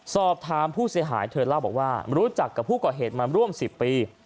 สอบถามผู้เสียหายเธอเล่าบอกว่ารู้จักกับผู้ก่อเหตุมาร่วม๑๐ปี